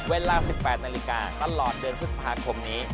เวลา๑๘นาฬิกาตลอดเดือนพฤษภาคมนี้